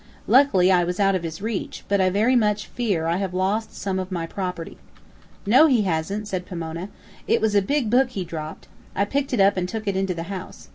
Luckily I was out of his reach; but I very much fear I have lost some of my property." "No, he hasn't," said Pomona. "It was a big book he dropped. I picked it up and took it into the house.